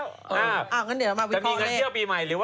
อ่อก็เดี๋ยวมาวิเคราะห์เลข